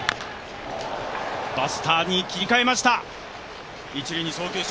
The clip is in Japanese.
バスターに切り替えました。